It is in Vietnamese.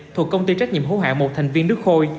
thuộc công ty trách nhiệm hữu hạng một thành viên nước khôi